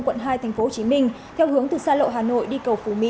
quận hai tp hcm theo hướng từ xa lộ hà nội đi cầu phú mỹ